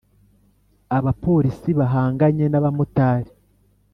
abapolisi bahanganye n'abamotari